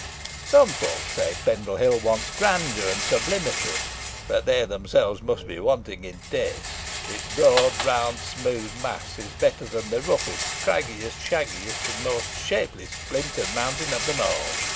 Some folks say Pendle Hill wants grandeur and sublimity, but they themselves must be wanting in taste. Its broad, round, smooth mass is better than the roughest, craggiest, shaggiest, most sharply splintered mountain of them all.